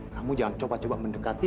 kamu jangan coba coba mendekati